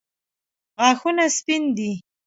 غاښونه سپین دي.